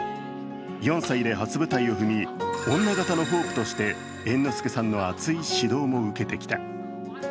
４歳で初舞台を踏み女形のホープとして猿之助さんの熱い指導も受けてきた。